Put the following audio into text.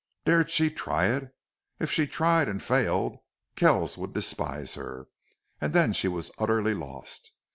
Dared she try it? If she tried and failed Kells would despise her, and then she was utterly lost.